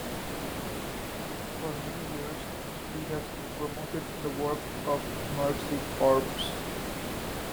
For many years, he has promoted the work of Mercy Corps.